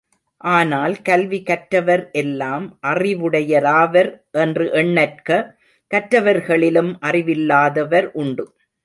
ஆனால், கல்வி கற்றவர் எல்லாம் அறிவுடையராவர் என்று எண்ணற்க கற்றவர்களிலும் அறிவில்லாதவர் உண்டு.